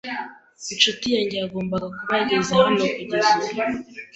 Inshuti yanjye yagombye kuba yageze hano kugeza ubu.